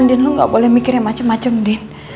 andin lo gak boleh mikir yang macem macem din